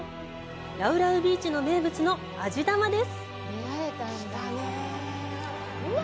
ラウラウビーチの名物のアジ玉です！